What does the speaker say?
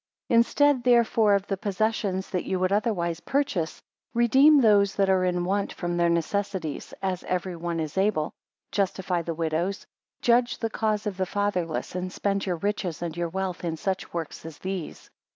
7 Instead therefore of the possessions that ye would otherwise purchase, redeem those that are in want from their necessities, as every one is able; justify the widows; judge the cause of the fatherless; and spend your riches and your wealth in such works as these.